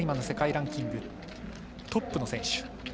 世界ランキングトップの選手